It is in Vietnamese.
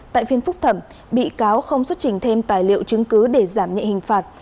tại phiên phúc thẩm bị cáo không xuất trình thêm tài liệu chứng cứ để giảm nhẹ hình phạt